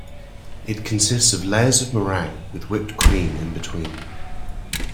It consists of layers of meringue with whipped cream in between.